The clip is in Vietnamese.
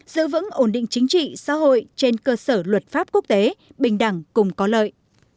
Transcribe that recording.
giữ vững ổn định chính trị xã hội trên cơ sở luật pháp quốc tế bình đẳng cùng có lợi